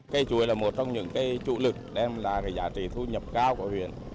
cây chuối là một trong những cây trụ lực đem là giá trị thu nhập cao của huyện